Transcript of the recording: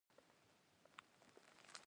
په ځینو سیمو کې زوم د واده مخکې لیدل کیږي.